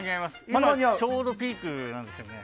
今ちょうどピークなんですよね。